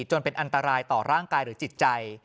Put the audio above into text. จนเป็นอันตรายต่อร่างกายหรือจิตใจ